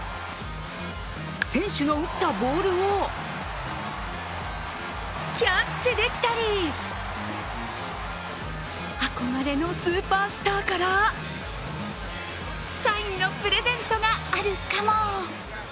選手の打ったボールをキャッチできたり憧れのスーパースターからサインのプレゼントがあるかも。